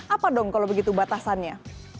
apa dong kalau begitu batasannya